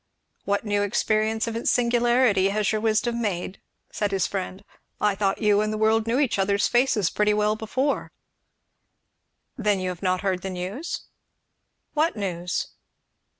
"What new experience of its singularity has your wisdom made?" sid his friend. "I thought you and the world knew each other's faces pretty well before." "Then you have not heard the news?" "What news?"